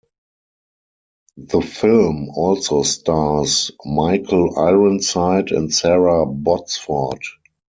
The film also stars Michael Ironside and Sara Botsford.